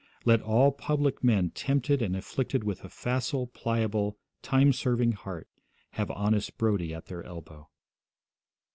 Let all public men tempted and afflicted with a facile, pliable, time serving heart have honest Brodie at their elbow.